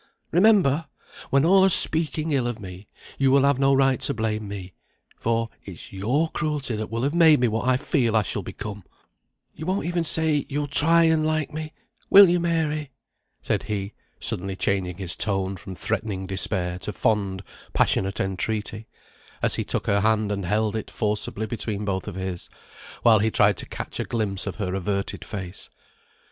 Remember! when all are speaking ill of me, you will have no right to blame me, for it's your cruelty that will have made me what I feel I shall become. You won't even say you'll try and like me; will you, Mary?" said he, suddenly changing his tone from threatening despair to fond passionate entreaty, as he took her hand and held it forcibly between both of his, while he tried to catch a glimpse of her averted face.